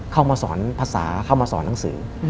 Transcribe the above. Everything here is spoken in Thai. เข้ามาสอนภาษาเข้ามาสอนหนังสือ